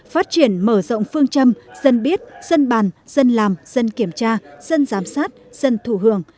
phát triển mở rộng phương châm dân biết dân bàn dân làm dân kiểm tra dân giám sát dân thủ hưởng